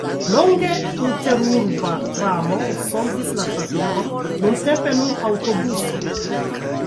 Longe interurba tramo solvis la trafikon, nuntempe nur aŭtobusoj.